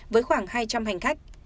với khoảng hai trăm linh hành khách